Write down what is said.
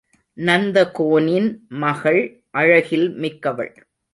நந்தகோனின் மகள் அழகில் மிக்கவள்.